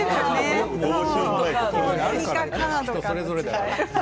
人それぞれだから。